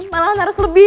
malahan harus lebih